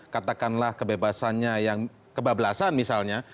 katakanlah kebebasannya yang kebablasan misalnya